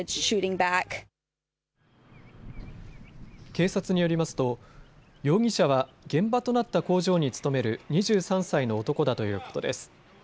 警察によりますと容疑者は現場となった工場に勤める２３歳の男だということです。